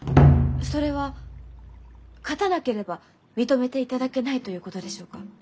それは勝たなければ認めていただけないということでしょうか？